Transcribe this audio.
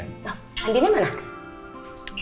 oh mandinya mana